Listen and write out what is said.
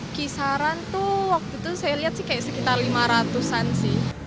sekisaran tuh waktu itu saya lihat sih kaya sekitar rp lima ratus an sih